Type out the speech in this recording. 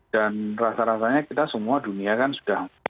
dan rasa rasanya kita semua dunia kan sudah